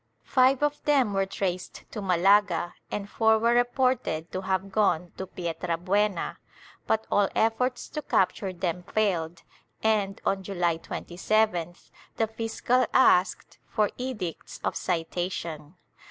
Five of them were traced to Malaga and four were reported to have gone to Pietrabuena, but all efforts to capture them failed and, on July 27th, the fiscal asked for edicts of citation.